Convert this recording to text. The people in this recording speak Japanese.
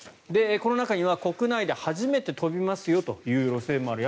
この中には国内で初めて飛びますよという路線もある。